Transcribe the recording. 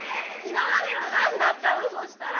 今までの何だったの？